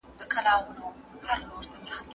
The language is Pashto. موږ تاته رښتينې قصه بيانووو.